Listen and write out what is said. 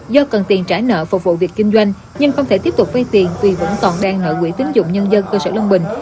do cần tiền trả nợ phục vụ việc kinh doanh nhưng không thể tiếp tục vay tiền vì vẫn còn đang nợ quỹ tính dụng nhân dân cơ sở long bình